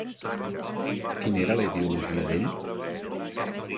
Quina era la ideologia d'ell?